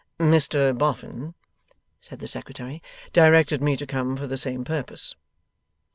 'Mr Boffin,' said the Secretary, 'directed me to come for the same purpose.